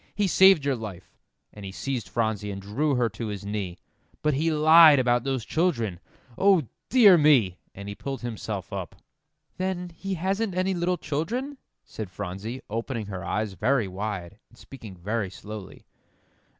He saved your life," and he seized Phronsie and drew her to his knee, "but he lied about those children. O dear me!" And he pulled himself up. "Then he hasn't any little children?" said Phronsie, opening her eyes very wide, and speaking very slowly.